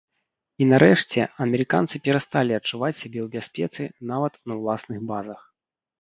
І нарэшце, амерыканцы перасталі адчуваць сябе ў бяспецы нават на ўласных базах.